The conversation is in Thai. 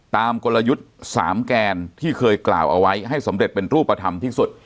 กลยุทธ์๓แกนที่เคยกล่าวเอาไว้ให้สำเร็จเป็นรูปธรรมที่สุด